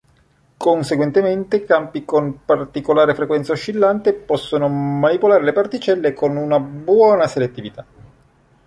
Conseguentemente, campi con particolare frequenza oscillante possono manipolare le particelle con una buona selettività.